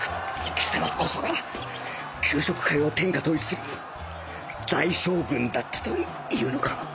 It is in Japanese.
貴様こそが給食界を天下統一する大将軍だったというのか